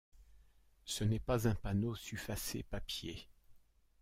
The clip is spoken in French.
Ce n'est pas un panneau sufacé papier.